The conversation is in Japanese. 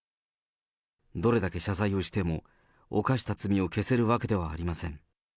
どれだけ謝罪をしても犯した罪を消せるわけではありません。